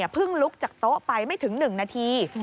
พึ่งลุกจากโต๊ะไปไม่ถึง๑นาที